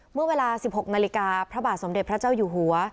เมื่อเวลา๑๖นาฬิกาพระบาทสมเด็จพระเจ้าอยู่หัว